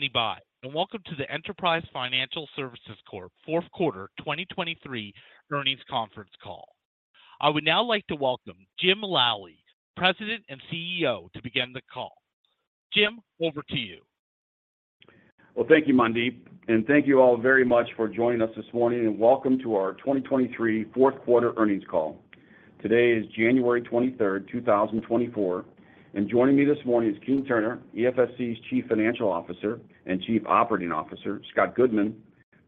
Thank you for standing by, and welcome to the Enterprise Financial Services Corp Fourth Quarter 2023 Earnings Conference Call. I would now like to welcome Jim Lally, President and CEO, to begin the call. Jim, over to you. Well, thank you, Mandeep, and thank you all very much for joining us this morning, and welcome to our 2023 Fourth Quarter Earnings Call. Today is January 23rd, 2024, and joining me this morning is Keene Turner, EFSC's Chief Financial Officer and Chief Operating Officer, Scott Goodman,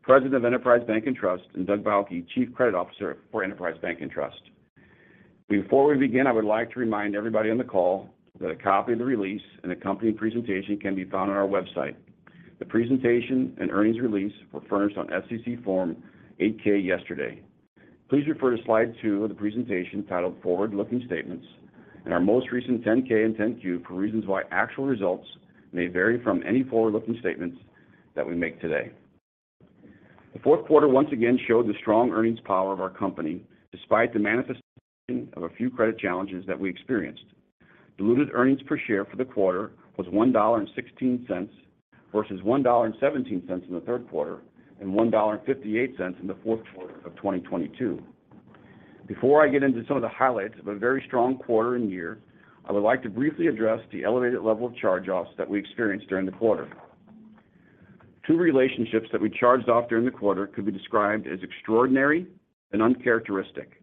President of Enterprise Bank & Trust, and Doug Bauche, Chief Credit Officer for Enterprise Bank & Trust. Before we begin, I would like to remind everybody on the call that a copy of the release and accompanying presentation can be found on our website. The presentation and earnings release were furnished on SEC Form 8-K yesterday. Please refer to slide two of the presentation titled Forward-Looking Statements and our most recent 10-K and 10-Q for reasons why actual results may vary from any forward-looking statements that we make today. The fourth quarter once again showed the strong earnings power of our company, despite the manifestation of a few credit challenges that we experienced. Diluted earnings per share for the quarter was $1.16, versus $1.17 in the third quarter, and $1.58 in the fourth quarter of 2022. Before I get into some of the highlights of a very strong quarter and year, I would like to briefly address the elevated level of charge-offs that we experienced during the quarter. Two relationships that we charged off during the quarter could be described as extraordinary and uncharacteristic.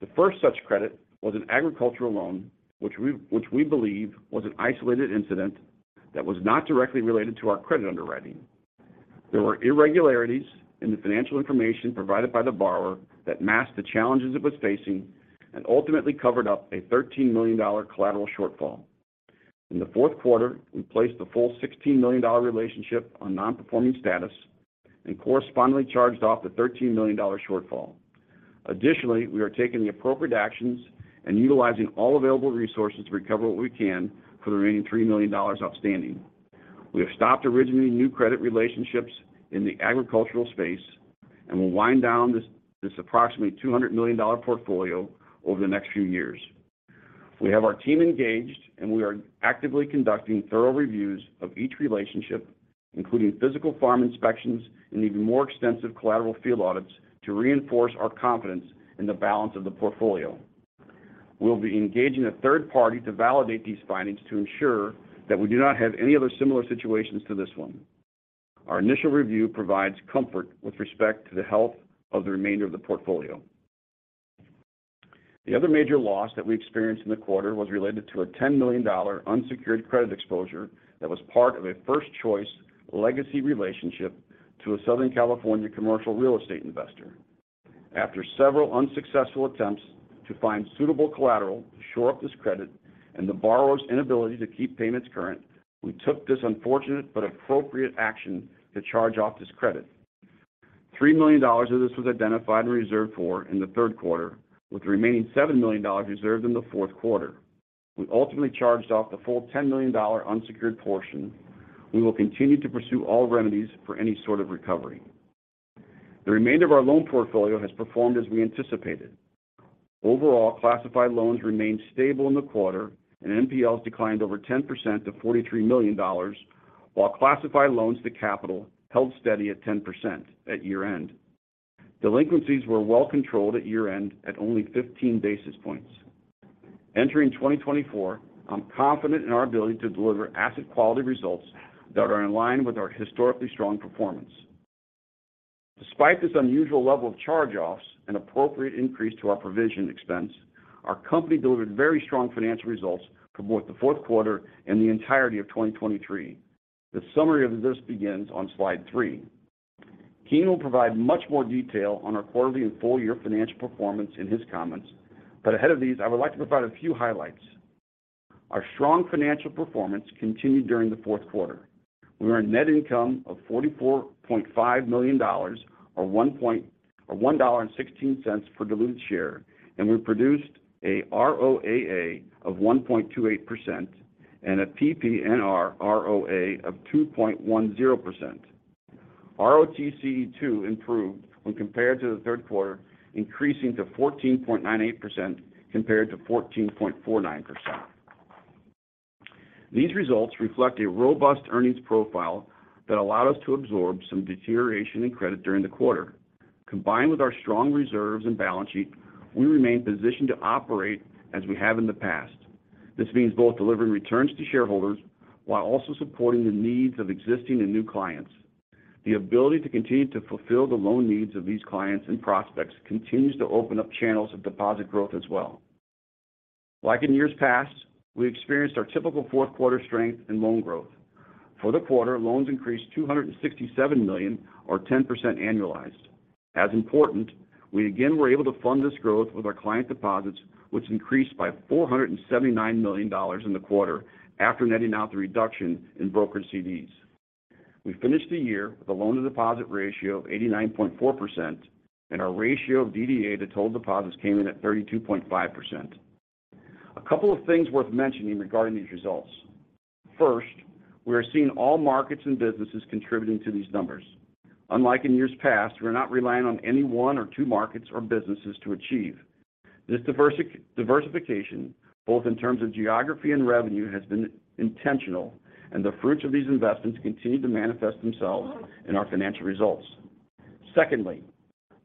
The first such credit was an agricultural loan, which we, which we believe was an isolated incident that was not directly related to our credit underwriting. There were irregularities in the financial information provided by the borrower that masked the challenges it was facing and ultimately covered up a $13 million collateral shortfall. In the fourth quarter, we placed the full $16 million relationship on non-performing status and correspondingly charged off the $13 million shortfall. Additionally, we are taking the appropriate actions and utilizing all available resources to recover what we can for the remaining $3 million outstanding. We have stopped originating new credit relationships in the agricultural space and will wind down this approximately $200 million portfolio over the next few years. We have our team engaged, and we are actively conducting thorough reviews of each relationship, including physical farm inspections and even more extensive collateral field audits, to reinforce our confidence in the balance of the portfolio. We'll be engaging a third party to validate these findings to ensure that we do not have any other similar situations to this one. Our initial review provides comfort with respect to the health of the remainder of the portfolio. The other major loss that we experienced in the quarter was related to a $10 million unsecured credit exposure that was part of a First Choice legacy relationship to a Southern California commercial real estate investor. After several unsuccessful attempts to find suitable collateral to shore up this credit and the borrower's inability to keep payments current, we took this unfortunate but appropriate action to charge off this credit. $3 million of this was identified and reserved for in the third quarter, with the remaining $7 million reserved in the fourth quarter. We ultimately charged off the full $10 million unsecured portion. We will continue to pursue all remedies for any sort of recovery. The remainder of our loan portfolio has performed as we anticipated. Overall, classified loans remained stable in the quarter, and NPLs declined over 10% to $43 million, while classified loans to capital held steady at 10% at year-end. Delinquencies were well controlled at year-end at only 15 basis points. Entering 2024, I'm confident in our ability to deliver asset quality results that are in line with our historically strong performance. Despite this unusual level of charge-offs and appropriate increase to our provision expense, our company delivered very strong financial results for both the fourth quarter and the entirety of 2023. The summary of this begins on slide three. Keene will provide much more detail on our quarterly and full year financial performance in his comments, but ahead of these, I would like to provide a few highlights. Our strong financial performance continued during the fourth quarter. We earned net income of $44.5 million, or $1.16 per diluted share, and we produced a ROAA of 1.28% and a PPNR ROA of 2.10%. ROTCE, too, improved when compared to the third quarter, increasing to 14.98% compared to 14.49%. These results reflect a robust earnings profile that allowed us to absorb some deterioration in credit during the quarter. Combined with our strong reserves and balance sheet, we remain positioned to operate as we have in the past. This means both delivering returns to shareholders while also supporting the needs of existing and new clients. The ability to continue to fulfill the loan needs of these clients and prospects continues to open up channels of deposit growth as well. Like in years past, we experienced our typical fourth quarter strength and loan growth. For the quarter, loans increased $267 million or 10% annualized. As important, we again were able to fund this growth with our client deposits, which increased by $479 million in the quarter after netting out the reduction in brokered CDs. We finished the year with a loan-to-deposit ratio of 89.4%, and our ratio of DDA to total deposits came in at 32.5%. A couple of things worth mentioning regarding these results. First, we are seeing all markets and businesses contributing to these numbers. Unlike in years past, we are not relying on any one or two markets or businesses to achieve this diversification, both in terms of geography and revenue, has been intentional, and the fruits of these investments continue to manifest themselves in our financial results. Secondly,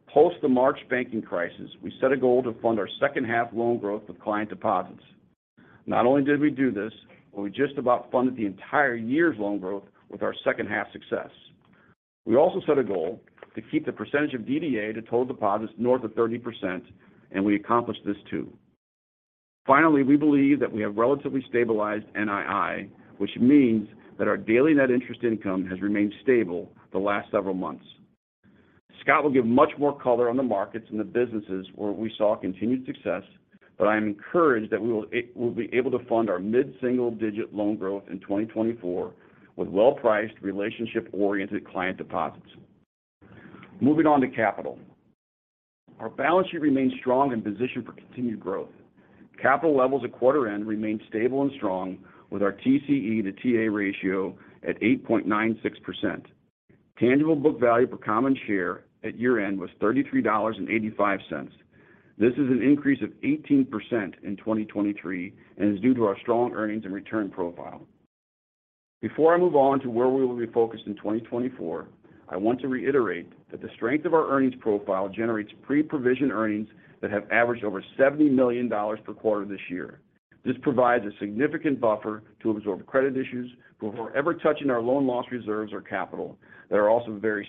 post the March banking crisis, we set a goal to fund our second half loan growth with client deposits. Not only did we do this, but we just about funded the entire year's loan growth with our second-half success. We also set a goal to keep the percentage of DDA to total deposits north of 30%, and we accomplished this too. Finally, we believe that we have relatively stabilized NII, which means that our daily net interest income has remained stable the last several months. Scott will give much more color on the markets and the businesses where we saw continued success, but I am encouraged that we will, we'll be able to fund our mid-single-digit loan growth in 2024 with well-priced, relationship-oriented client deposits. Moving on to capital. Our balance sheet remains strong and positioned for continued growth. Capital levels at quarter end remained stable and strong, with our TCE to TA ratio at 8.96%. Tangible book value per common share at year-end was $33.85. This is an increase of 18% in 2023 and is due to our strong earnings and return profile. Before I move on to where we will be focused in 2024, I want to reiterate that the strength of our earnings profile generates pre-provision earnings that have averaged over $70 million per quarter this year. This provides a significant buffer to absorb credit issues before ever touching our loan loss reserves or capital. There are also very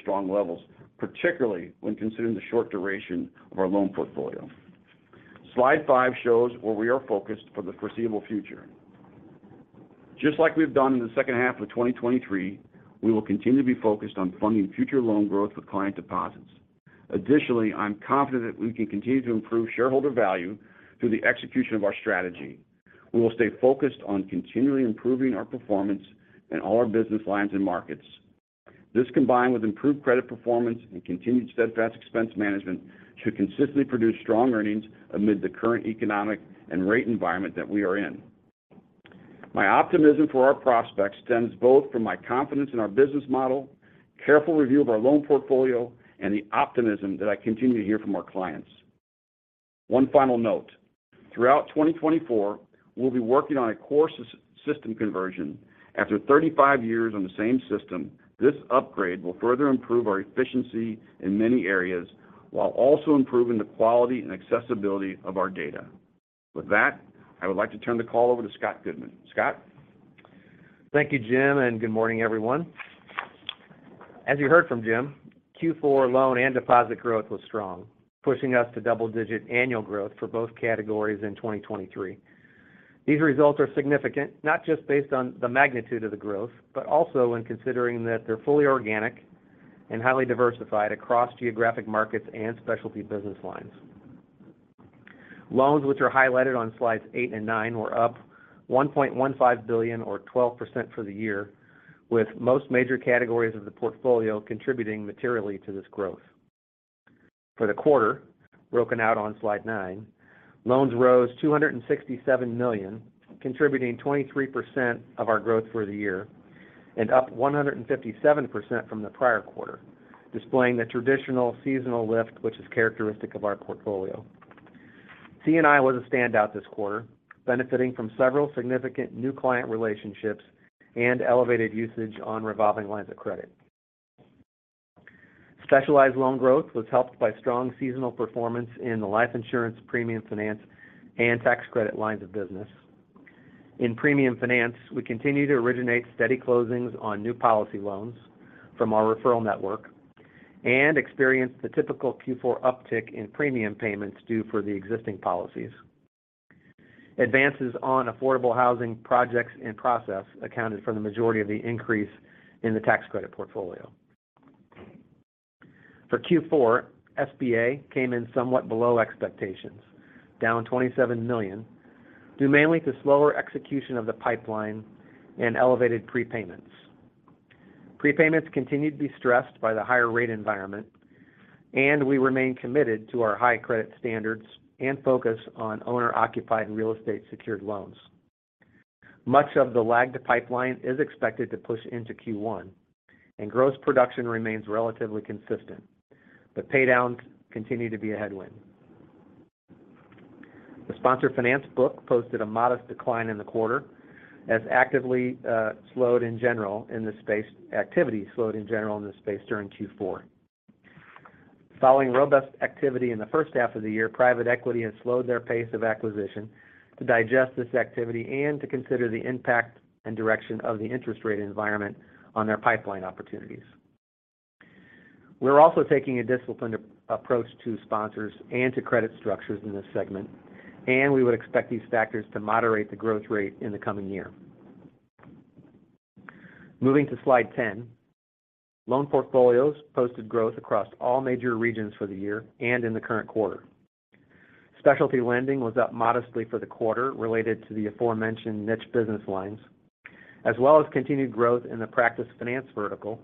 strong levels, particularly when considering the short duration of our loan portfolio. Slide five shows where we are focused for the foreseeable future. Just like we've done in the second half of 2023, we will continue to be focused on funding future loan growth with client deposits. Additionally, I'm confident that we can continue to improve shareholder value through the execution of our strategy. We will stay focused on continually improving our performance in all our business lines and markets. This, combined with improved credit performance and continued steadfast expense management, should consistently produce strong earnings amid the current economic and rate environment that we are in. My optimism for our prospects stems both from my confidence in our business model, careful review of our loan portfolio, and the optimism that I continue to hear from our clients. One final note: throughout 2024, we'll be working on a core system conversion. After 35 years on the same system, this upgrade will further improve our efficiency in many areas, while also improving the quality and accessibility of our data. With that, I would like to turn the call over to Scott Goodman. Scott? Thank you, Jim, and good morning, everyone. As you heard from Jim, Q4 loan and deposit growth was strong, pushing us to double-digit annual growth for both categories in 2023. These results are significant, not just based on the magnitude of the growth, but also in considering that they're fully organic and highly diversified across geographic markets and specialty business lines. Loans, which are highlighted on Slides eight and nine, were up $1.15 billion or 12% for the year, with most major categories of the portfolio contributing materially to this growth. For the quarter, broken out on Slide nine, loans rose $267 million, contributing 23% of our growth for the year and up 157% from the prior quarter, displaying the traditional seasonal lift, which is characteristic of our portfolio. C&I was a standout this quarter, benefiting from several significant new client relationships and elevated usage on revolving lines of credit. Specialized loan growth was helped by strong seasonal performance in the life insurance, premium finance, and tax credit lines of business. In premium finance, we continue to originate steady closings on new policy loans from our referral network and experienced the typical Q4 uptick in premium payments due for the existing policies. Advances on affordable housing projects in process accounted for the majority of the increase in the tax credit portfolio. For Q4, SBA came in somewhat below expectations, down $27 million, due mainly to slower execution of the pipeline and elevated prepayments. Prepayments continue to be stressed by the higher rate environment, and we remain committed to our high credit standards and focus on owner-occupied real estate secured loans. Much of the lag to pipeline is expected to push into Q1, and gross production remains relatively consistent, but paydowns continue to be a headwind. The sponsor finance book posted a modest decline in the quarter, as activity slowed in general in this space during Q4. Following robust activity in the first half of the year, private equity has slowed their pace of acquisition to digest this activity and to consider the impact and direction of the interest rate environment on their pipeline opportunities. We're also taking a disciplined approach to sponsors and to credit structures in this segment, and we would expect these factors to moderate the growth rate in the coming year. Moving to Slide 10, loan portfolios posted growth across all major regions for the year and in the current quarter. Specialty lending was up modestly for the quarter related to the aforementioned niche business lines, as well as continued growth in the practice finance vertical,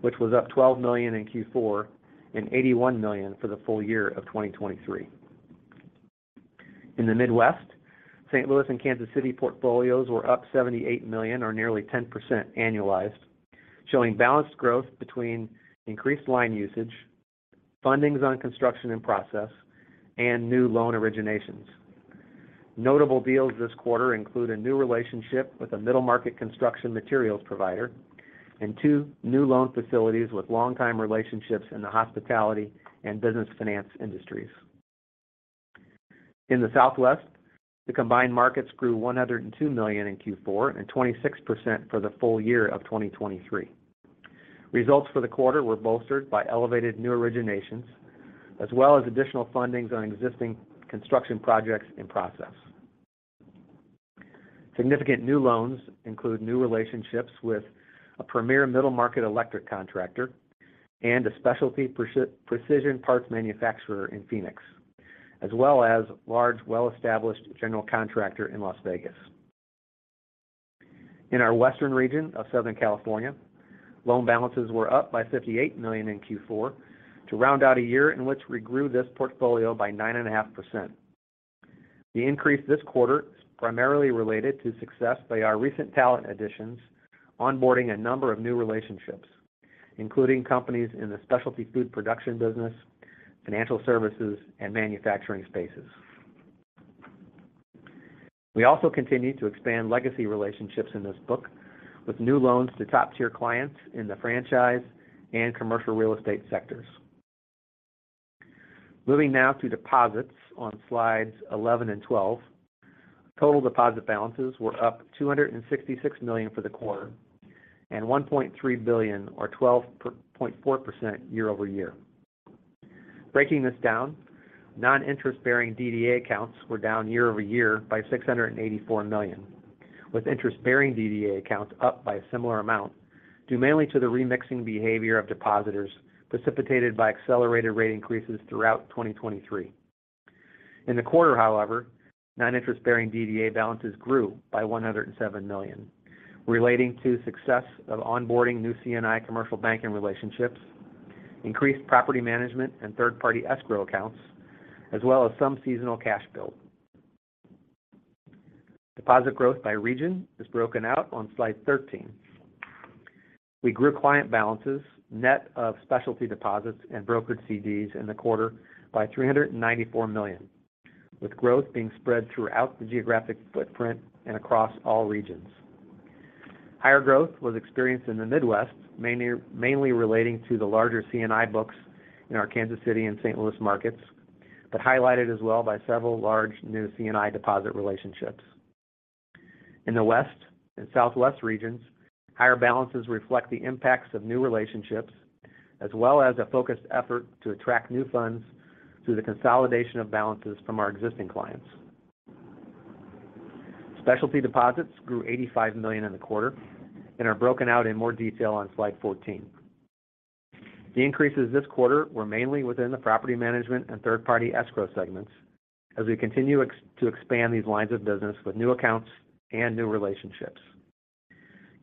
which was up $12 million in Q4 and $81 million for the full year of 2023. In the Midwest, St. Louis and Kansas City portfolios were up $78 million, or nearly 10% annualized, showing balanced growth between increased line usage, fundings on construction and process, and new loan originations. Notable deals this quarter include a new relationship with a middle market construction materials provider and two new loan facilities with long-time relationships in the hospitality and business finance industries. In the Southwest, the combined markets grew $102 million in Q4 and 26% for the full year of 2023. Results for the quarter were bolstered by elevated new originations, as well as additional fundings on existing construction projects in process. Significant new loans include new relationships with a premier middle market electric contractor and a specialty precision parts manufacturer in Phoenix, as well as large, well-established general contractor in Las Vegas. In our western region of Southern California, loan balances were up by $58 million in Q4 to round out a year in which we grew this portfolio by 9.5%. The increase this quarter is primarily related to success by our recent talent additions, onboarding a number of new relationships, including companies in the specialty food production business, financial services, and manufacturing spaces. We also continue to expand legacy relationships in this book with new loans to top-tier clients in the franchise and commercial real estate sectors. Moving now to deposits on slides 11 and 12. Total deposit balances were up $266 million for the quarter, and $1.3 billion, or 12.4% year-over-year. Breaking this down, non-interest-bearing DDA accounts were down year-over-year by $684 million, with interest-bearing DDA accounts up by a similar amount, due mainly to the remixing behavior of depositors precipitated by accelerated rate increases throughout 2023. In the quarter, however, non-interest-bearing DDA balances grew by $107 million, relating to success of onboarding new C&I commercial banking relationships, increased property management and third-party escrow accounts, as well as some seasonal cash build. Deposit growth by region is broken out on slide 13. We grew client balances, net of specialty deposits and brokered CDs in the quarter by $394 million, with growth being spread throughout the geographic footprint and across all regions. Higher growth was experienced in the Midwest, mainly relating to the larger C&I books in our Kansas City and St. Louis markets, but highlighted as well by several large new C&I deposit relationships. In the West and Southwest regions, higher balances reflect the impacts of new relationships, as well as a focused effort to attract new funds through the consolidation of balances from our existing clients. Specialty deposits grew $85 million in the quarter and are broken out in more detail on slide 14. The increases this quarter were mainly within the property management and third-party escrow segments as we continue to expand these lines of business with new accounts and new relationships.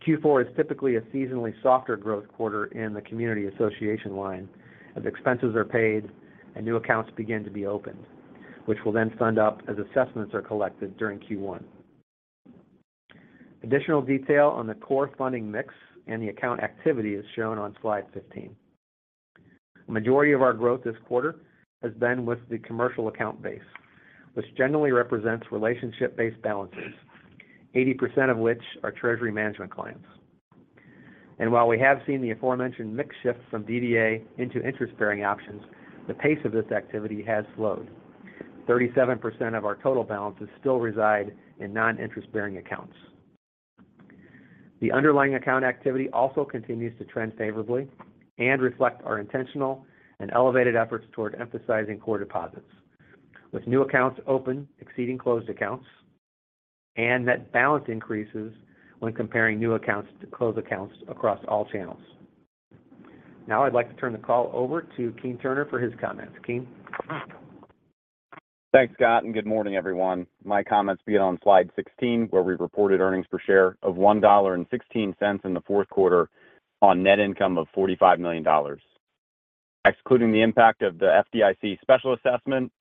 Q4 is typically a seasonally softer growth quarter in the community association line, as expenses are paid and new accounts begin to be opened, which will then fund up as assessments are collected during Q1. Additional detail on the core funding mix and the account activity is shown on slide 15. Majority of our growth this quarter has been with the commercial account base, which generally represents relationship-based balances, 80% of which are treasury management clients. And while we have seen the aforementioned mix shift from DDA into interest-bearing options, the pace of this activity has slowed. 37% of our total balances still reside in non-interest-bearing accounts. The underlying account activity also continues to trend favorably and reflect our intentional and elevated efforts toward emphasizing core deposits, with new accounts open exceeding closed accounts, and net balance increases when comparing new accounts to closed accounts across all channels. Now, I'd like to turn the call over to Keene Turner for his comments. Keene? Thanks, Scott, and good morning, everyone. My comments begin on slide 16, where we reported earnings per share of $1.16 in the fourth quarter on net income of $45 million. Excluding the impact of the FDIC special assessment,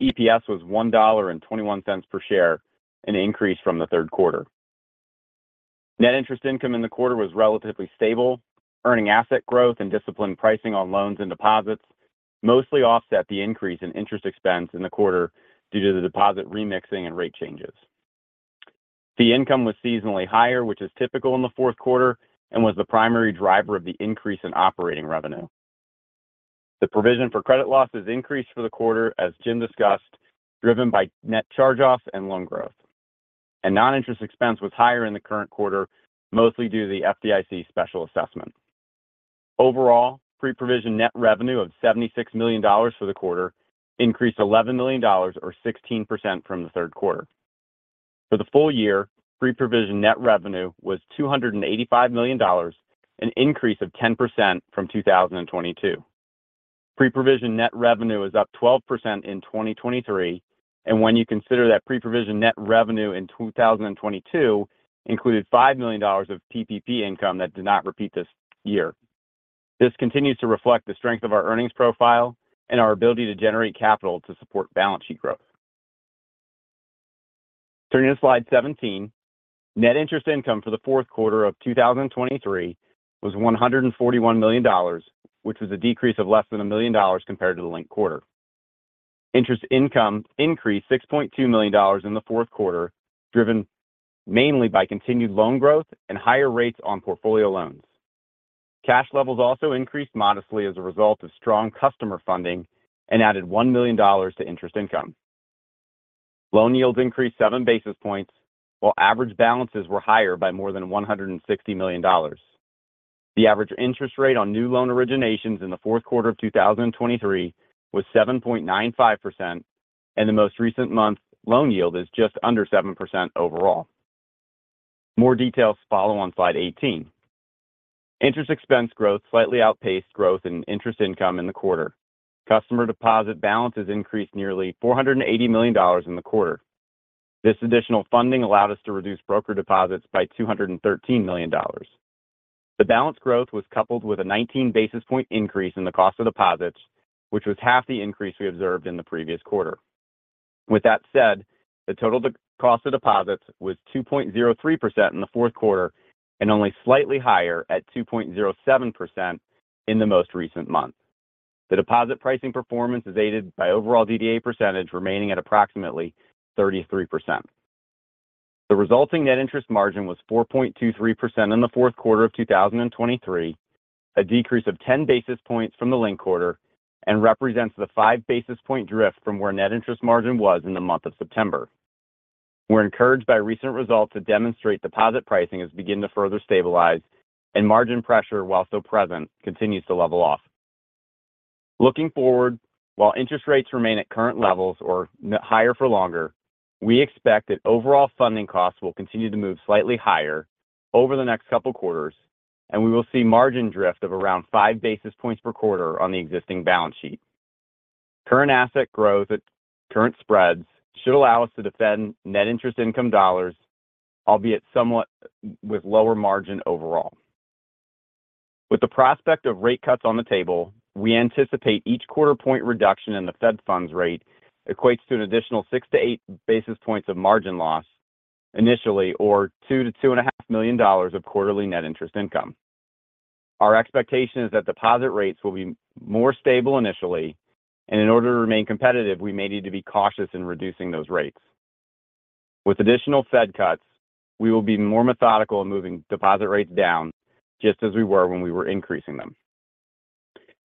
EPS was $1.21 per share, an increase from the third quarter. Net interest income in the quarter was relatively stable. Earning asset growth and disciplined pricing on loans and deposits mostly offset the increase in interest expense in the quarter due to the deposit remixing and rate changes. Fee income was seasonally higher, which is typical in the fourth quarter, and was the primary driver of the increase in operating revenue. The provision for credit losses increased for the quarter, as Jim discussed, driven by net charge-offs and loan growth. Non-interest expense was higher in the current quarter, mostly due to the FDIC special assessment. Overall, pre-provision net revenue of $76 million for the quarter increased $11 million or 16% from the third quarter. For the full year, pre-provision net revenue was $285 million, an increase of 10% from 2022. Pre-provision net revenue is up 12% in 2023, and when you consider that pre-provision net revenue in 2022 included $5 million of PPP income that did not repeat this year.... This continues to reflect the strength of our earnings profile and our ability to generate capital to support balance sheet growth. Turning to slide 17, net interest income for the fourth quarter of 2023 was $141 million, which is a decrease of less than $1 million compared to the linked quarter. Interest income increased $6.2 million in the fourth quarter, driven mainly by continued loan growth and higher rates on portfolio loans. Cash levels also increased modestly as a result of strong customer funding and added $1 million to interest income. Loan yields increased 7 basis points, while average balances were higher by more than $160 million. The average interest rate on new loan originations in the fourth quarter of 2023 was 7.95%, and the most recent month loan yield is just under 7% overall. More details follow on slide 18. Interest expense growth slightly outpaced growth in interest income in the quarter. Customer deposit balances increased nearly $480 million in the quarter. This additional funding allowed us to reduce broker deposits by $213 million. The balance growth was coupled with a 19 basis point increase in the cost of deposits, which was half the increase we observed in the previous quarter. With that said, the total cost of deposits was 2.03% in the fourth quarter and only slightly higher at 2.07% in the most recent month. The deposit pricing performance is aided by overall DDA percentage remaining at approximately 33%. The resulting net interest margin was 4.23% in the fourth quarter of 2023, a decrease of 10 basis points from the linked quarter and represents the 5 basis point drift from where net interest margin was in the month of September. We're encouraged by recent results that demonstrate deposit pricing is beginning to further stabilize, and margin pressure, while still present, continues to level off. Looking forward, while interest rates remain at current levels or higher for longer, we expect that overall funding costs will continue to move slightly higher over the next couple quarters, and we will see margin drift of around 5 basis points per quarter on the existing balance sheet. Current asset growth at current spreads should allow us to defend net interest income dollars, albeit somewhat with lower margin overall. With the prospect of rate cuts on the table, we anticipate each quarter point reduction in the Fed funds rate equates to an additional 6-8 basis points of margin loss initially, or $2 million-$2.5 million of quarterly net interest income. Our expectation is that deposit rates will be more stable initially, and in order to remain competitive, we may need to be cautious in reducing those rates. With additional Fed cuts, we will be more methodical in moving deposit rates down, just as we were when we were increasing them.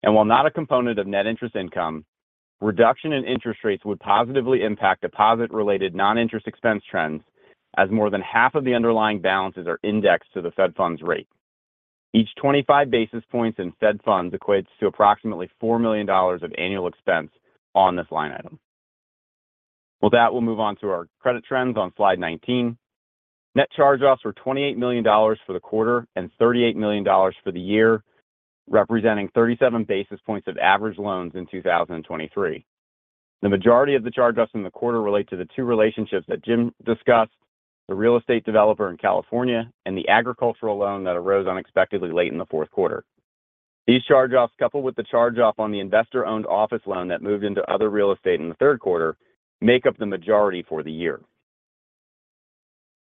While not a component of net interest income, reduction in interest rates would positively impact deposit-related non-interest expense trends, as more than half of the underlying balances are indexed to the Fed funds rate. Each 25 basis points in Fed funds equates to approximately $4 million of annual expense on this line item. With that, we'll move on to our credit trends on Slide 19. Net charge-offs were $28 million for the quarter and $38 million for the year, representing 37 basis points of average loans in 2023. The majority of the charge-offs in the quarter relate to the two relationships that Jim discussed, the real estate developer in California and the agricultural loan that arose unexpectedly late in the fourth quarter. These charge-offs, coupled with the charge-off on the investor-owned office loan that moved into other real estate in the third quarter, make up the majority for the year.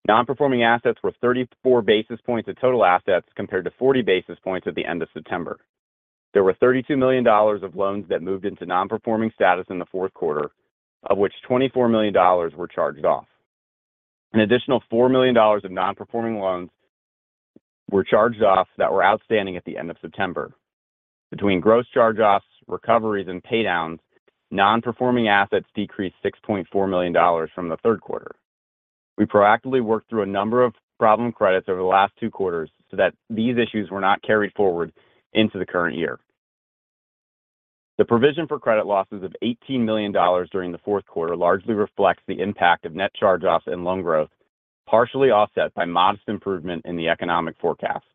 Non-performing assets were 34 basis points of total assets, compared to 40 basis points at the end of September. There were $32 million of loans that moved into non-performing status in the fourth quarter, of which $24 million were charged off. An additional $4 million of non-performing loans were charged off that were outstanding at the end of September. Between gross charge-offs, recoveries, and paydowns, non-performing assets decreased $6.4 million from the third quarter. We proactively worked through a number of problem credits over the last two quarters so that these issues were not carried forward into the current year. The provision for credit losses of $18 million during the fourth quarter largely reflects the impact of net charge-offs and loan growth, partially offset by modest improvement in the economic forecast.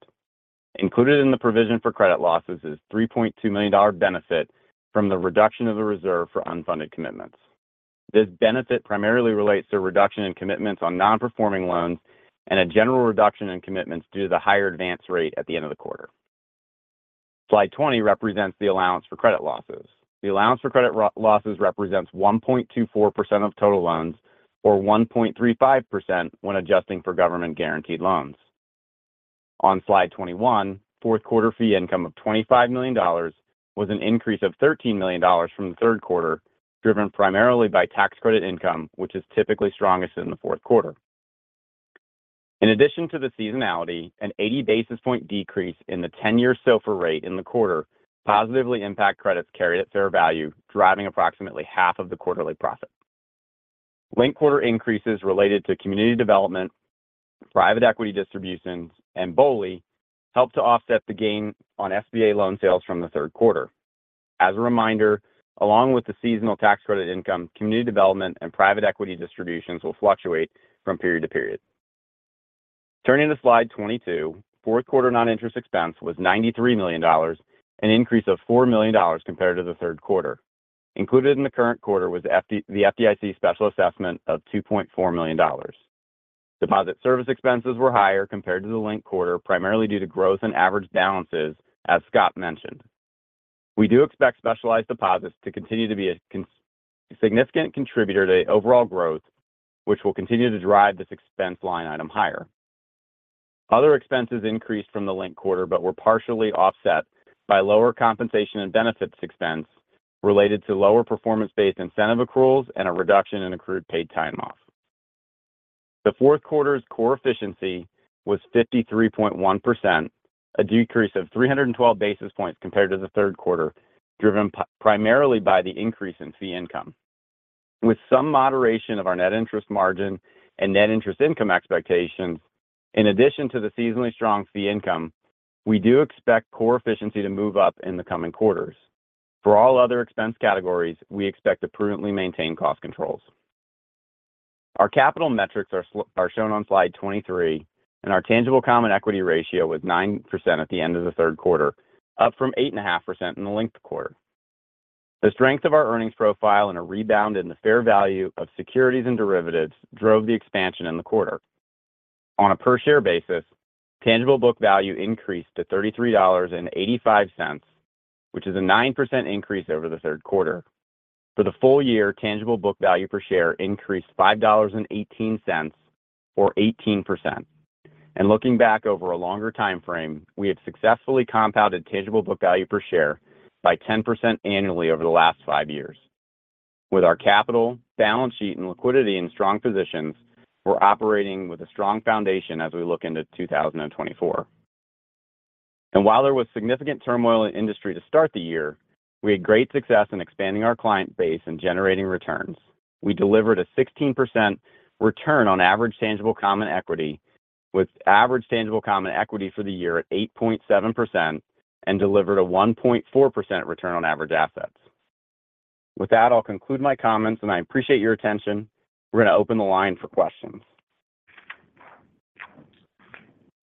Included in the provision for credit losses is $3.2 million benefit from the reduction of the reserve for unfunded commitments. This benefit primarily relates to a reduction in commitments on non-performing loans and a general reduction in commitments due to the higher advance rate at the end of the quarter. Slide 20 represents the allowance for credit losses. The allowance for credit losses represents 1.24% of total loans or 1.35% when adjusting for government-guaranteed loans. On Slide 21, fourth quarter fee income of $25 million was an increase of $13 million from the third quarter, driven primarily by tax credit income, which is typically strongest in the fourth quarter. In addition to the seasonality, an 80 basis point decrease in the 10-year SOFR rate in the quarter positively impact credits carried at fair value, driving approximately half of the quarterly profit. Linked-quarter increases related to community development, private equity distributions, and BOLI helped to offset the gain on SBA loan sales from the third quarter. As a reminder, along with the seasonal tax credit income, community development and private equity distributions will fluctuate from period to period. Turning to Slide 22, fourth quarter non-interest expense was $93 million, an increase of $4 million compared to the third quarter. Included in the current quarter was the FDIC special assessment of $2.4 million. Deposit service expenses were higher compared to the linked quarter, primarily due to growth in average balances, as Scott mentioned. We do expect specialized deposits to continue to be a significant contributor to overall growth, which will continue to drive this expense line item higher. Other expenses increased from the linked quarter, but were partially offset by lower compensation and benefits expense related to lower performance-based incentive accruals and a reduction in accrued paid time off. The fourth quarter's core efficiency was 53.1%, a decrease of 312 basis points compared to the third quarter, driven primarily by the increase in fee income. With some moderation of our net interest margin and net interest income expectations, in addition to the seasonally strong fee income, we do expect core efficiency to move up in the coming quarters. For all other expense categories, we expect to prudently maintain cost controls. Our capital metrics are shown on slide 23, and our tangible common equity ratio was 9% at the end of the third quarter, up from 8.5% in the linked quarter. The strength of our earnings profile and a rebound in the fair value of securities and derivatives drove the expansion in the quarter. On a per-share basis, tangible book value increased to $33.85, which is a 9% increase over the third quarter. For the full year, tangible book value per share increased $5.18, or 18%. Looking back over a longer time frame, we have successfully compounded tangible book value per share by 10% annually over the last five years. With our capital, balance sheet, and liquidity in strong positions, we're operating with a strong foundation as we look into 2024. While there was significant turmoil in industry to start the year, we had great success in expanding our client base and generating returns. We delivered a 16% return on average tangible common equity, with average tangible common equity for the year at 8.7% and delivered a 1.4% return on average assets. With that, I'll conclude my comments, and I appreciate your attention. We're going to open the line for questions.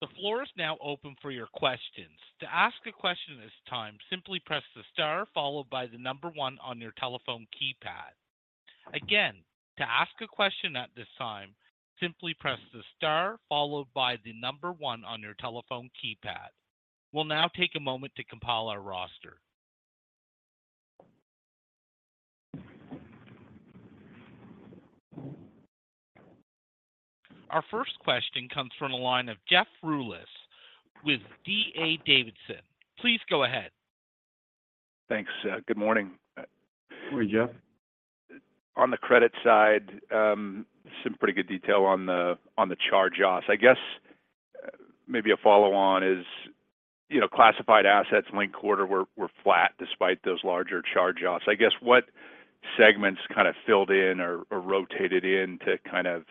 The floor is now open for your questions. To ask a question at this time, simply press the star followed by the number one on your telephone keypad. Again, to ask a question at this time, simply press the star followed by the number one on your telephone keypad. We'll now take a moment to compile our roster. Our first question comes from the line of Jeff Rulis with D.A. Davidson. Please go ahead. Thanks. Good morning. Morning, Jeff. On the credit side, some pretty good detail on the charge-offs. I guess, maybe a follow-on is, you know, classified assets linked-quarter were flat despite those larger charge-offs. I guess, what segments kind of filled in or rotated in to kind of,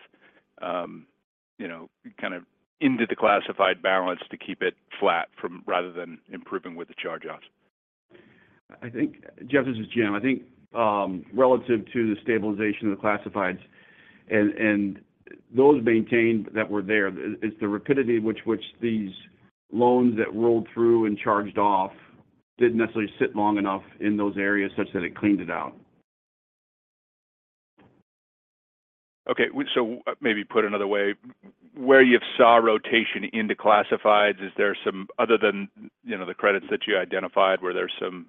you know, kind of into the classified balance to keep it flat from rather than improving with the charge-offs? I think, Jeff, this is Jim. I think, relative to the stabilization of the classifieds and those maintained that were there, it's the rapidity with which these loans that rolled through and charged off didn't necessarily sit long enough in those areas such that it cleaned it out. Okay, so maybe put another way, where you saw rotation into classifieds, is there some other than, you know, the credits that you identified, were there some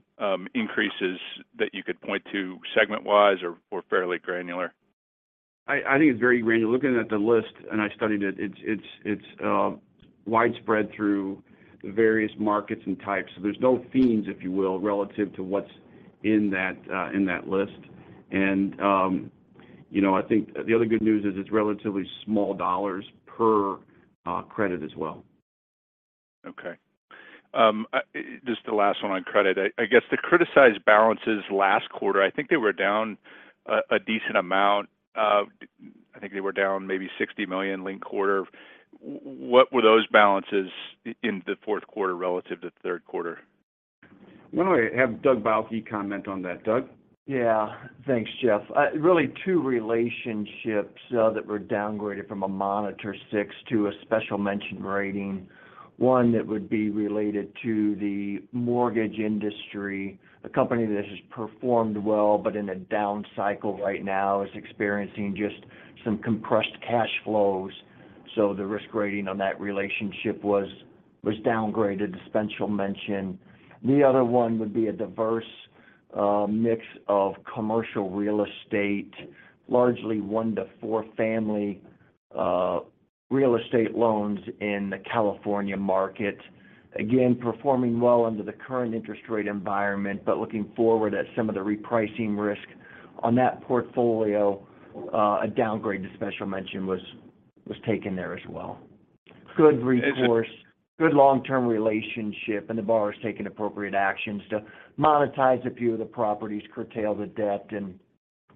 increases that you could point to segment-wise or fairly granular? I think it's very granular. Looking at the list, and I studied it, it's widespread through various markets and types. There's no themes, if you will, relative to what's in that list. And, you know, I think the other good news is it's relatively small dollars per credit as well. Okay. Just the last one on credit. I guess the criticized balances last quarter, I think they were down a decent amount. I think they were down maybe $60 million linked quarter. What were those balances in the fourth quarter relative to the third quarter? Why don't I have Doug Bauche comment on that? Doug? Yeah. Thanks, Jeff. Really two relationships that were downgraded from a Monitor 6 to a Special Mention rating. One that would be related to the mortgage industry, a company that has performed well, but in a down cycle right now, is experiencing just some compressed cash flows. So the risk rating on that relationship was downgraded to Special Mention. The other one would be a diverse mix of commercial real estate, largely one to four family real estate loans in the California market. Again, performing well under the current interest rate environment, but looking forward at some of the repricing risk on that portfolio, a downgrade to Special Mention was taken there as well. Good recourse- It's-... good long-term relationship, and the borrower's taking appropriate actions to monetize a few of the properties, curtail the debt, and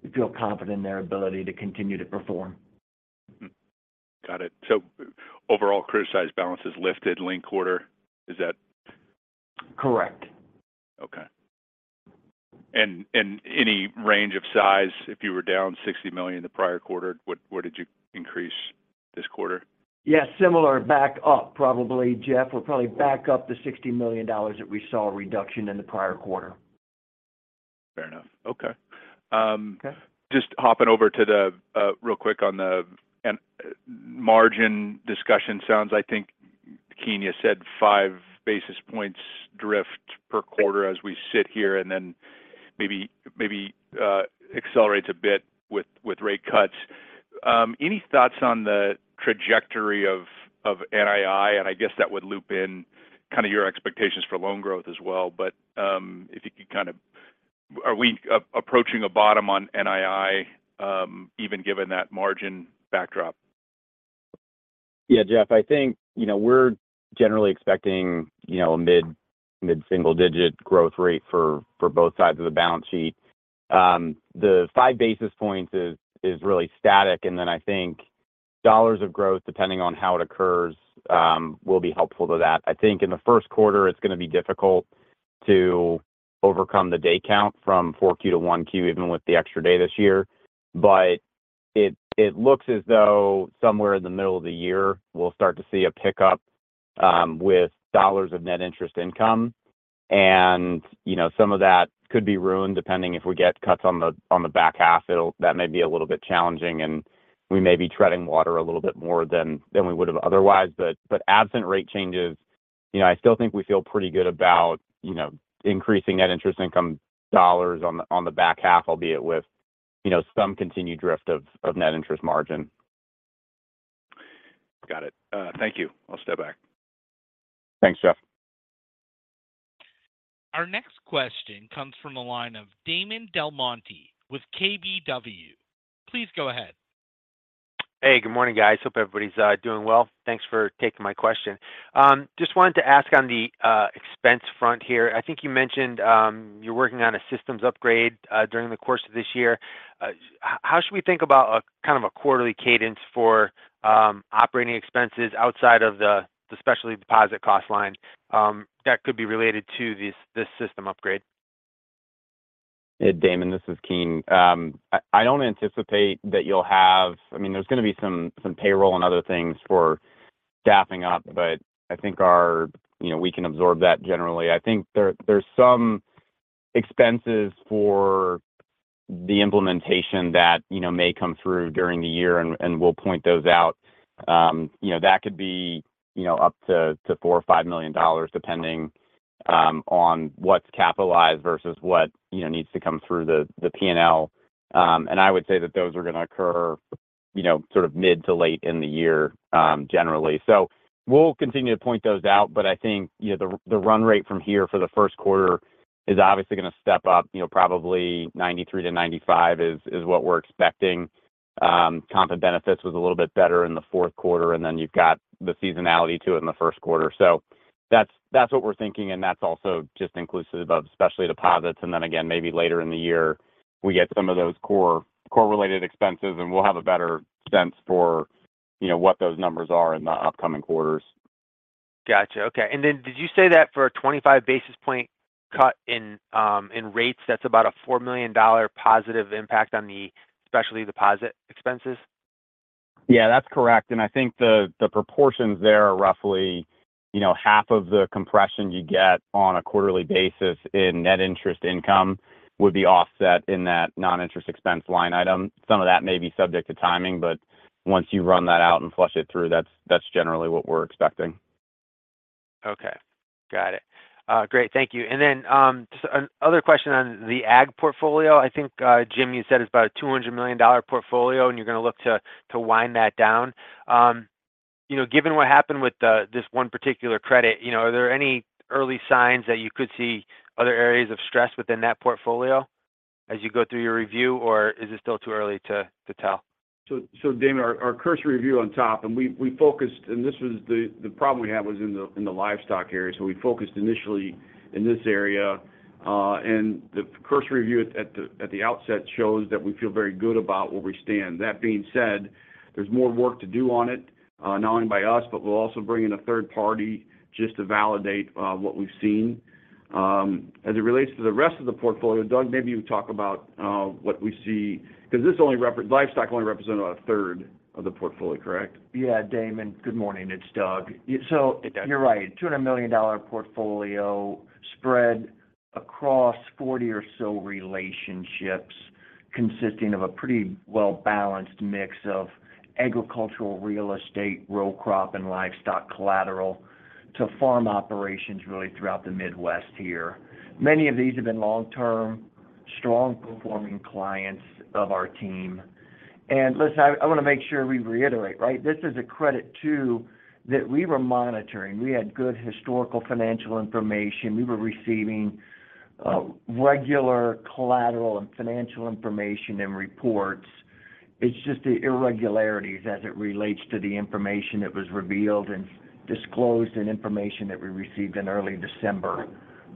we feel confident in their ability to continue to perform. Mm-hmm. Got it. So overall, criticized balance is lifted linked quarter. Is that- Correct. Okay. And any range of size, if you were down $60 million the prior quarter, what--where did you increase this quarter? Yeah, similar back up, probably, Jeff. We're probably back up to $60 million that we saw a reduction in the prior quarter.... Fair enough. Okay. Okay. Just hopping over to the real quick on the NII and margin discussion sounds. I think Keene, you said five basis points drift per quarter as we sit here, and then maybe, maybe, accelerates a bit with, with rate cuts. Any thoughts on the trajectory of, of NII? And I guess that would loop in kind of your expectations for loan growth as well. But, if you could kind of - are we approaching a bottom on NII, even given that margin backdrop? Yeah, Jeff, I think, you know, we're generally expecting, you know, a mid-single-digit growth rate for both sides of the balance sheet. The 5 basis points is really static, and then I think dollars of growth, depending on how it occurs, will be helpful to that. I think in the first quarter, it's going to be difficult to overcome the day count from 4Q-1Q, even with the extra day this year. But it looks as though somewhere in the middle of the year, we'll start to see a pickup with dollars of net interest income. And, you know, some of that could be ruined, depending if we get cuts on the back half, it'll, that may be a little bit challenging, and we may be treading water a little bit more than we would have otherwise. But absent rate changes, you know, I still think we feel pretty good about, you know, increasing net interest income dollars on the back half, albeit with, you know, some continued drift of net interest margin. Got it. Thank you. I'll step back. Thanks, Jeff. Our next question comes from the line of Damon DelMonte with KBW. Please go ahead. Hey, good morning, guys. Hope everybody's doing well. Thanks for taking my question. Just wanted to ask on the expense front here. I think you mentioned you're working on a systems upgrade during the course of this year. How should we think about a kind of a quarterly cadence for operating expenses outside of the specialty deposit cost line that could be related to this system upgrade? Hey, Damon, this is Keene. I don't anticipate that you'll have-- I mean, there's going to be some payroll and other things for staffing up, but I think our-- you know, we can absorb that generally. I think there's some expenses for the implementation that, you know, may come through during the year, and we'll point those out. You know, that could be, you know, up to $4 million, $5 million, depending on what's capitalized versus what, you know, needs to come through the P&L. And I would say that those are going to occur, you know, sort of mid to late in the year, generally. So we'll continue to point those out, but I think, you know, the run rate from here for the first quarter is obviously going to step up, you know, probably 93-95 is what we're expecting. Comp and benefits was a little bit better in the fourth quarter, and then you've got the seasonality to it in the first quarter. So that's what we're thinking, and that's also just inclusive of specialty deposits. And then again, maybe later in the year, we get some of those core, core-related expenses, and we'll have a better sense for, you know, what those numbers are in the upcoming quarters. Gotcha. Okay. And then did you say that for a 25 basis point cut in rates, that's about a $4 million positive impact on the specialty deposit expenses? Yeah, that's correct. I think the proportions there are roughly, you know, half of the compression you get on a quarterly basis in net interest income would be offset in that non-interest expense line item. Some of that may be subject to timing, but once you run that out and flush it through, that's generally what we're expecting. Okay. Got it. Great. Thank you. And then, so another question on the ag portfolio. I think, Jim, you said it's about a $200 million portfolio, and you're going to look to wind that down. You know, given what happened with this one particular credit, you know, are there any early signs that you could see other areas of stress within that portfolio as you go through your review, or is it still too early to tell? So, Damon, our cursory review on top, and we focused—and this was the problem we had was in the livestock area, so we focused initially in this area. And the cursory review at the outset shows that we feel very good about where we stand. That being said, there's more work to do on it, not only by us, but we'll also bring in a third party just to validate what we've seen. As it relates to the rest of the portfolio, Doug, maybe you talk about what we see, because livestock only represented about a third of the portfolio, correct? Yeah, Damon. Good morning, it's Doug. So- Hey, Doug... You're right, $200 million portfolio spread across 40 or so relationships, consisting of a pretty well-balanced mix of agricultural real estate, row crop, and livestock collateral to farm operations really throughout the Midwest here. Many of these have been long-term, strong-performing clients of our team. And listen, I, I want to make sure we reiterate, right? This is a credit too, that we were monitoring. We had good historical financial information. We were receiving regular collateral and financial information and reports. It's just the irregularities as it relates to the information that was revealed and disclosed and information that we received in early December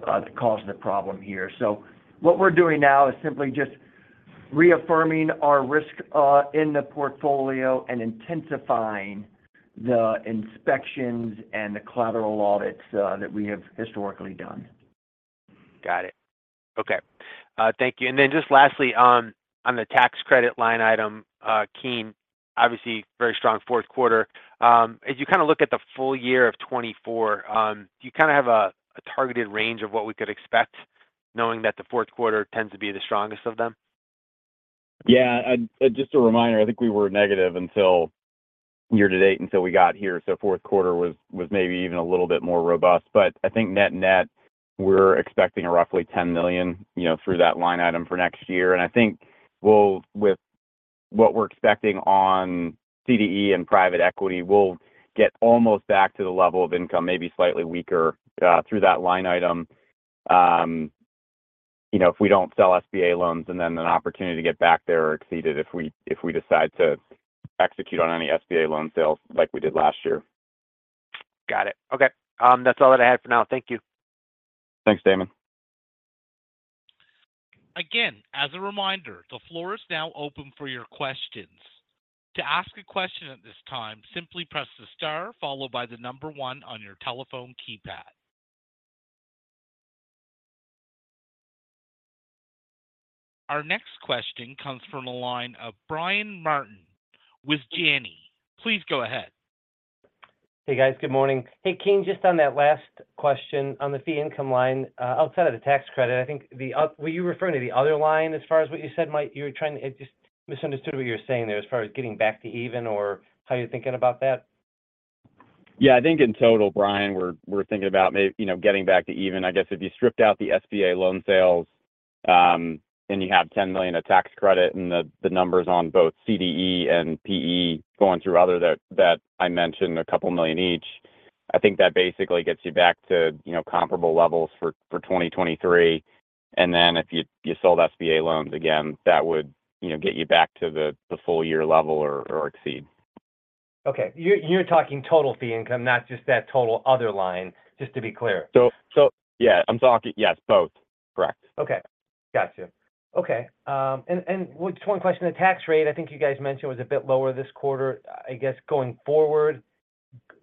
that caused the problem here. So what we're doing now is simply just reaffirming our risk in the portfolio and intensifying the inspections and the collateral audits that we have historically done. Got it. Okay. Thank you. And then just lastly, on the tax credit line item, Keene, obviously, very strong fourth quarter. As you kind of look at the full year of 2024, do you kind of have a targeted range of what we could expect, knowing that the fourth quarter tends to be the strongest of them? Yeah, just a reminder, I think we were negative year-to-date until we got here. So fourth quarter was maybe even a little bit more robust. But I think net-net, we're expecting roughly $10 million, you know, through that line item for next year. And I think with what we're expecting on CDE and private equity, we'll get almost back to the level of income, maybe slightly weaker through that line item. You know, if we don't sell SBA loans and then an opportunity to get back there or exceed it, if we decide to execute on any SBA loan sales like we did last year. Got it. Okay, that's all that I have for now. Thank you. Thanks, Damon. Again, as a reminder, the floor is now open for your questions. To ask a question at this time, simply press the star followed by the number one on your telephone keypad. Our next question comes from the line of Brian Martin with Janney. Please go ahead. Hey, guys. Good morning. Hey, Keene, just on that last question on the fee income line, outside of the tax credit, I think. Were you referring to the other line as far as what you said, you were trying to... I just misunderstood what you were saying there, as far as getting back to even or how you're thinking about that. Yeah, I think in total, Brian, we're thinking about maybe, you know, getting back to even. I guess if you stripped out the SBA loan sales and you have $10 million of tax credit and the numbers on both CDE and PE going through other than that I mentioned, a couple million each, I think that basically gets you back to, you know, comparable levels for 2023. And then if you sold SBA loans, again, that would, you know, get you back to the full year level or exceed. Okay. You, you're talking total fee income, not just that total other line, just to be clear? Yeah, I'm talking, yes, both. Correct. Okay. Got you. Okay, just one question, the tax rate, I think you guys mentioned was a bit lower this quarter. I guess going forward,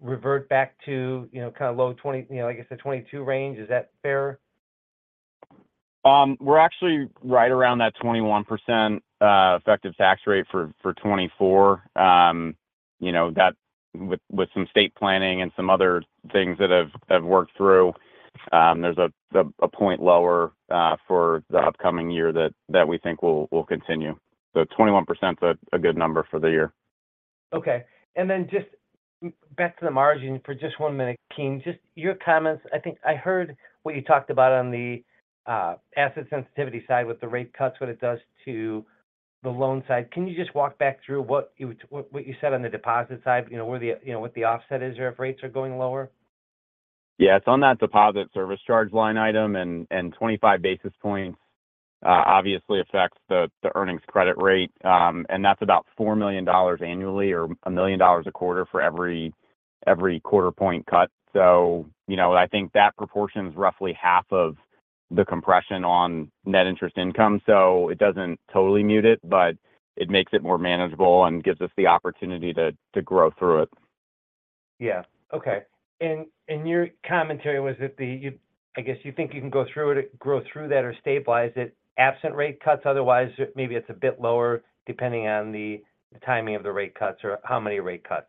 revert back to, you know, kind of low 20%, you know, like I said, 22% range. Is that fair? We're actually right around that 21% effective tax rate for 2024. You know, that with some state planning and some other things that I've worked through, there's a point lower for the upcoming year that we think will continue. So 21% is a good number for the year. Okay, and then just back to the margin for just one minute, Keene, just your comments. I think I heard what you talked about on the asset sensitivity side with the rate cuts, what it does to the loan side. Can you just walk back through what you said on the deposit side? You know, where the, you know, what the offset is there if rates are going lower? Yeah, it's on that deposit service charge line item, and 25 basis points obviously affects the earnings credit rate. And that's about $4 million annually or $1 million a quarter for every quarter point cut. So, you know, I think that proportion is roughly half of the compression on net interest income. So it doesn't totally mute it, but it makes it more manageable and gives us the opportunity to grow through it. Yeah. Okay. And your commentary was that you, I guess you think you can go through it, grow through that or stabilize it, absent rate cuts, otherwise, maybe it's a bit lower, depending on the timing of the rate cuts or how many rate cuts?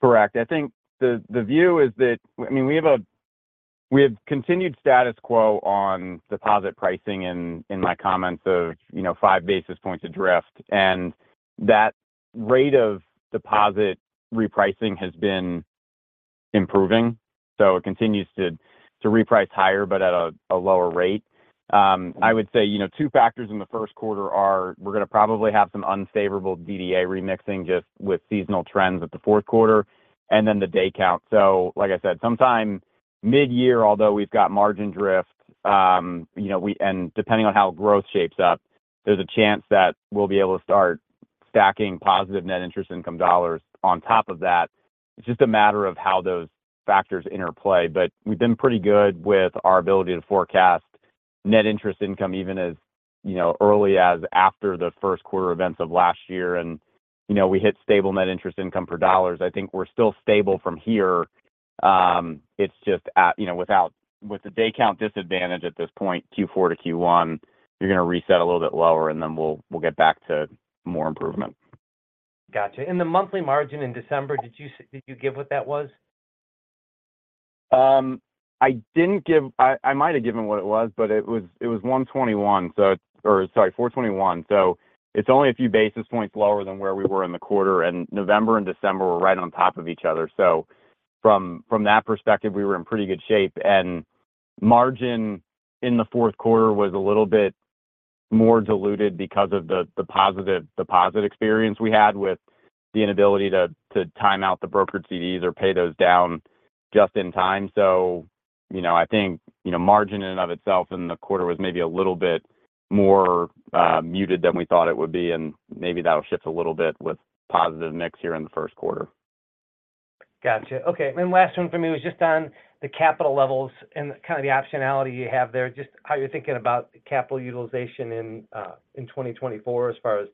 Correct. I think the view is that, I mean, we have continued status quo on deposit pricing in my comments of, you know, five basis points of drift, and that rate of deposit repricing has been improving, so it continues to reprice higher, but at a lower rate. I would say, you know, two factors in the first quarter are we're going to probably have some unfavorable DDA remixing just with seasonal trends at the fourth quarter and then the day count. So like I said, sometime mid-year, although we've got margin drift, you know, we and depending on how growth shapes up, there's a chance that we'll be able to start stacking positive net interest income dollars on top of that. It's just a matter of how those factors interplay. We've been pretty good with our ability to forecast net interest income, even as you know early as after the first quarter events of last year. You know, we hit stable net interest income per dollars. I think we're still stable from here. It's just at you know with the day count disadvantage at this point, Q4-Q1, you're going to reset a little bit lower, and then we'll get back to more improvement. Gotcha. In the monthly margin in December, did you give what that was? I might have given what it was, but it was 1.21%, so, or sorry, 4.21%. So it's only a few basis points lower than where we were in the quarter, and November and December were right on top of each other. So from that perspective, we were in pretty good shape. And margin in the fourth quarter was a little bit more diluted because of the positive deposit experience we had with the inability to time out the brokered CDs or pay those down just in time. So you know, I think, you know, margin in and of itself in the quarter was maybe a little bit more muted than we thought it would be, and maybe that'll shift a little bit with positive mix here in the first quarter. Gotcha. Okay, and last one for me was just on the capital levels and kind of the optionality you have there, just how you're thinking about capital utilization in 2024, as far as,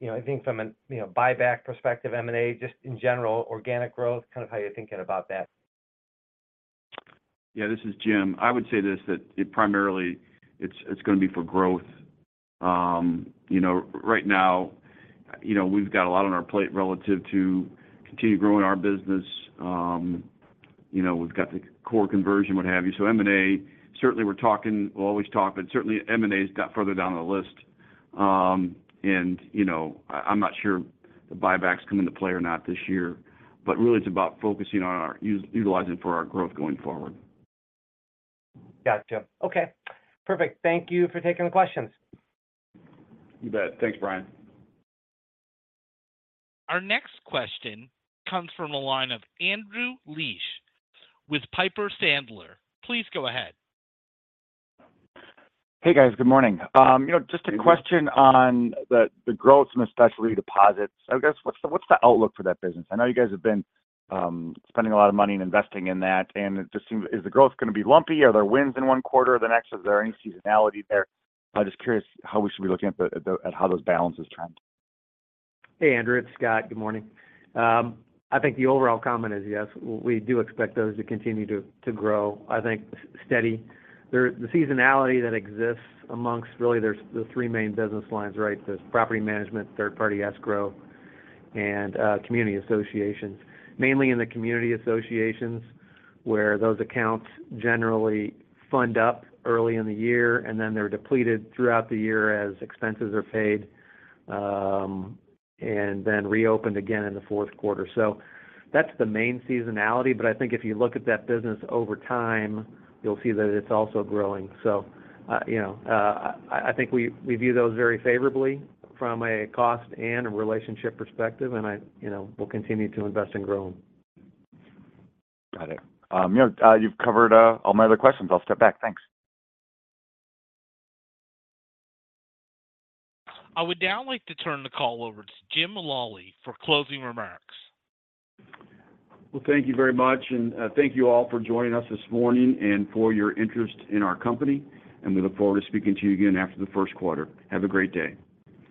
you know, I think from a, you know, buyback perspective, M&A, just in general, organic growth, kind of how you're thinking about that?... Yeah, this is Jim. I would say this, that it primarily it's, it's gonna be for growth. You know, right now, you know, we've got a lot on our plate relative to continue growing our business. You know, we've got the core conversion, what have you. So M&A, certainly we're talking. We'll always talk, but certainly M&A's got further down the list. And, you know, I, I'm not sure the buybacks come into play or not this year. But really, it's about focusing on our utilizing for our growth going forward. Gotcha. Okay, perfect. Thank you for taking the questions. You bet. Thanks, Brian. Our next question comes from the line of Andrew Liesch with Piper Sandler. Please go ahead. Hey, guys. Good morning. You know, just a question- Good morning. on the growth, and especially deposits. I guess, what's the outlook for that business? I know you guys have been spending a lot of money and investing in that, and it just seems... Is the growth gonna be lumpy? Are there wins in one quarter or the next? Is there any seasonality there? I'm just curious how we should be looking at how those balances trend. Hey, Andrew. It's Scott. Good morning. I think the overall comment is, yes, we do expect those to continue to grow, I think steady. The seasonality that exists amongst really there's the three main business lines, right? There's property management, third-party escrow, and community associations. Mainly in the community associations, where those accounts generally fund up early in the year, and then they're depleted throughout the year as expenses are paid, and then reopened again in the fourth quarter. So that's the main seasonality, but I think if you look at that business over time, you'll see that it's also growing. So, you know, I think we view those very favorably from a cost and a relationship perspective, and I, you know, we'll continue to invest and grow them. Got it. You know, you've covered all my other questions. I'll step back. Thanks. I would now like to turn the call over to Jim Lally for closing remarks. Well, thank you very much, and thank you all for joining us this morning and for your interest in our company, and we look forward to speaking to you again after the first quarter. Have a great day.